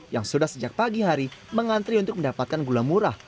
yang sudah sejak pagi hari mengantri untuk mendapatkan gula murah